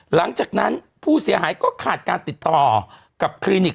หลังจากนั้นผู้เสียหายก็ขาดการติดต่อกับคลินิก